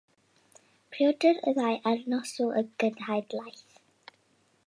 Priodwyd y ddau ar noswyl y genhadaeth.